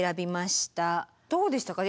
どうでしたか？